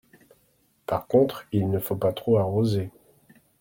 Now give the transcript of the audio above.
Par contre, il ne faut pas trop arroser.